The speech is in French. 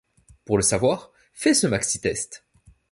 Pour le savoir, fais ce maxi-test.